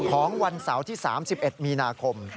ของวันเสาร์ที่๓๑มีนาคม